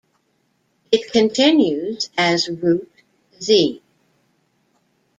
It continues as Route Z.